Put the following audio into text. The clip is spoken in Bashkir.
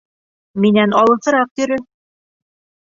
Минән алыҫыраҡ йөрө.